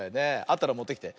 あったらもってきて。